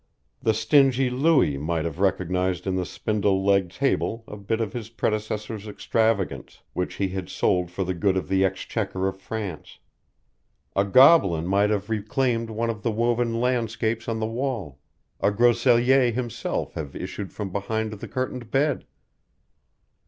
The stingy Louis might have recognized in the spindle legged table a bit of his predecessor's extravagance, which he had sold for the good of the exchequer of France; a Gobelin might have reclaimed one of the woven landscapes on the wall, a Grosellier himself have issued from behind the curtained bed.